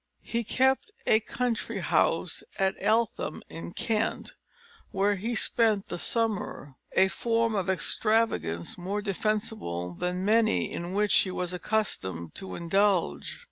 He kept a country house at Eltham in Kent, where he spent the summer a form of extravagance more defensible than many in which he was accustomed to indulge.